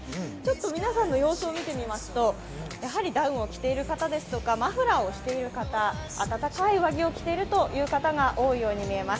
皆さんの様子を見てみますとダウンを着ている方とか、マフラーをしている方、温かい上着を着ている方が多いように見えます。